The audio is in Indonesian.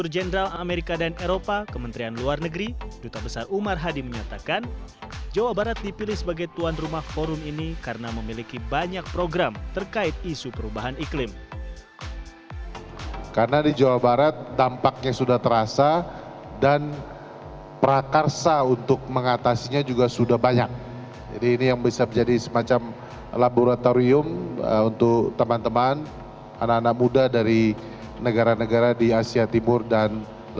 jawa barat menjadi tuan rumah forum for east asia and latin america cooperations